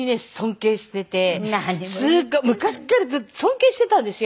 昔から尊敬していたんですよ。